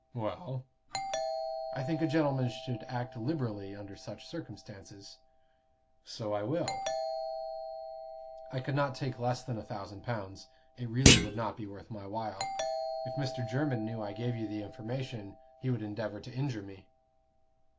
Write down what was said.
"Well?" "I think a gentleman should act liberally under such circumstances." "So I will." "I could not take less than a thousand pounds. It really would not be worth my while. If Mr. Jermyn knew I gave you the information, he would endeavor to injure me."